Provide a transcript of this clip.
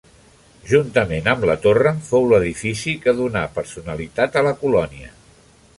Juntament amb la torre fou l'edifici que donà personalitat a la colònia.